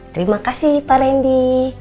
terima kasih pak randy